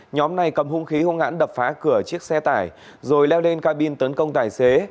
nhóm này cầm hung khí hông ngãn đập phá cửa chiếc xe tải rồi leo lên cabin tấn công tài xế